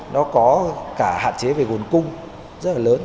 nó có cả hạn chế về nguồn cung rất là lớn